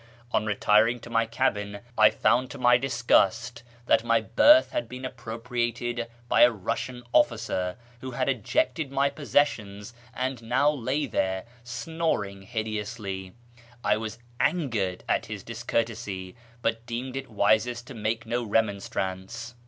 On retiring to my cabin I found to my disgust that my berth had been appropriated by a Russian otticer, who liad ejected my possessions and now lay there snoring hideously. I was angered at his discourtesy, but deemed it wisest to make no remonstrance.